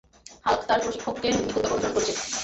Hulk তার প্রশিক্ষককে নিখুঁতভাবে অনুসরণ করছে।